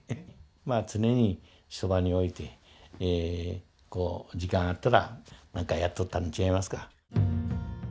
まあ常にそばに置いて時間あったらなんかやっとったんと違いますか。